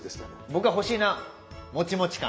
僕は欲しいのはもちもち感。